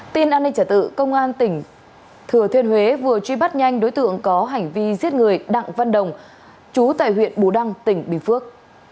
tin an ninh trả tự công an tỉnh thừa thiên huế vừa truy bắt nhanh đối tượng có hành vi giết người đặng văn đồng chú tại huyện bù đăng tỉnh bình phước